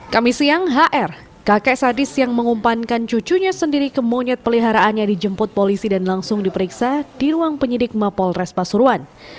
kami siang hr kakek sadis yang mengumpankan cucunya sendiri ke monyet peliharaannya dijemput polisi dan langsung diperiksa di ruang penyidik mapolres pasuruan